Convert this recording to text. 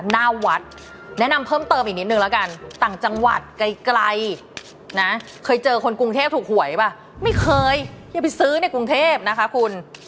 หน้าวัดแนะนำเพิ่มเติมอีกนิดนึงแล้วกันต่างจังหวัดไกลนะเคยเจอคนกรุงเทพถูกหวยป่ะไม่เคยที่จะไปซื้อในกรุงเทพนะคะคุณ